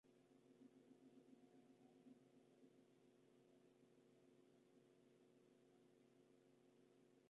Según la policía local la muerte habría sido accidental, descartando un homicidio o asesinato.